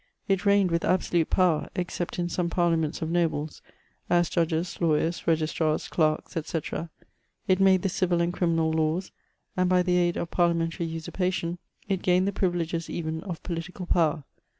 It reigned with absolute power, except in some Parliaments of Nobles, as judges, lawyers, registrars, clerks,' &c. ; it made the civil and criminal laws, and by the aid of Parliamentary usurpation^ it gained the privileges even of political power.